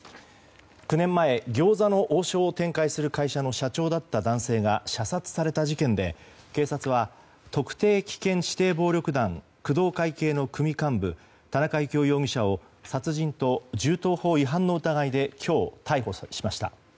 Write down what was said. ９年前、餃子の王将を展開する会社の社長の男性が射殺された事件で、警察は特定危険指定暴力団工藤会系の組幹部田中幸雄容疑者を殺人と銃刀法違反の疑いで今日、逮捕しました。